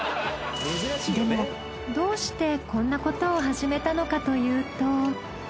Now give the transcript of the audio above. でもどうしてこんなことを始めたのかというと。